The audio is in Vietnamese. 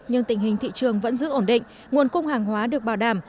nhưng tình hình thị trường vẫn giữ ổn định nguồn cung hàng hóa được bảo đảm